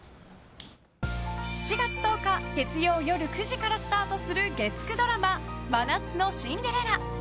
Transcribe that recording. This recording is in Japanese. ７月１０日月曜夜９時からスタートする月９ドラマ「真夏のシンデレラ」。